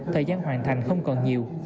thời gian hoàn thành không còn nhiều